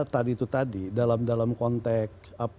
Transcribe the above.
tadi itu tadi dalam konteks